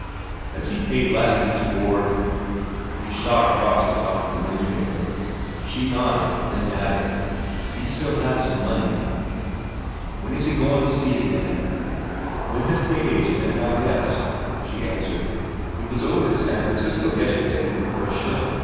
"Has he paid last week's board?" he shot across the top of the newspaper. She nodded, then added, "He still has some money." "When is he goin' to sea again?" "When his pay day's spent, I guess," she answered. "He was over to San Francisco yesterday looking for a ship.